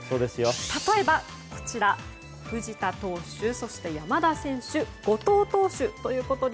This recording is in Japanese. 例えば、藤田投手そして、山田選手後藤投手ということで。